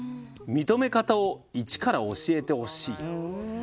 認め方を一から教えてほしい」。